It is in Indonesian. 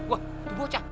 wah tuh bocah